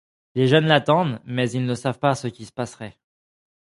Les jeunes l’attendent mais ils ne savent pas ce qui se passerait.